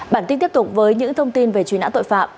bản tin tiếp tục với những thông tin về truy nã tội phạm